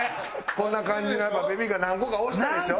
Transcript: こんな感じになんかベビーカー何個か押したでしょ。